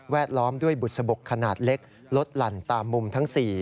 ล้อมด้วยบุษบกขนาดเล็กลดหลั่นตามมุมทั้ง๔